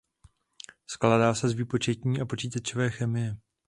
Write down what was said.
Skládá se z výpočetní a počítačové chemie.